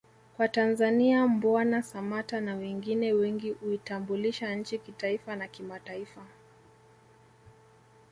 kwa Tanzania Mbwana Samata na wengine wengi uitambulisha nchi kitaifa na kimataifa